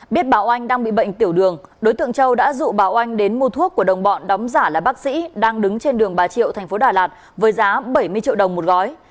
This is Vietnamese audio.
biết bà oanh đang bị bệnh tiểu đường đối tượng châu đã rủ bà oanh đến mua thuốc của đồng bọn đóng giả là bác sĩ đang đứng trên đường bà triệu thành phố đà lạt với giá bảy mươi triệu đồng một gói